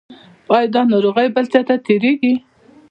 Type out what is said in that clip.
ایا دا ناروغي بل چا ته تیریږي؟